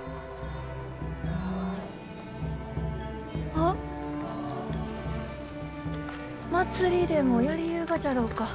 ・あっ祭りでもやりゆうがじゃろうか？